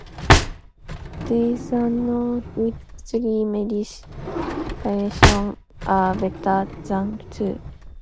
It is unknown if three medications are better than two.